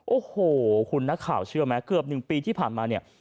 โอ้โหคุณนักข่าวเชื่อไหมเกือบ๑ปีที่ผ่านมาเนี่ย